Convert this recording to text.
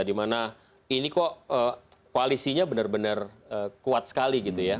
dimana ini kok koalisinya benar benar kuat sekali gitu ya